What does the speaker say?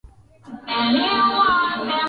Mwezi wa kumi mwaka elfu moja mia nane tisini na nne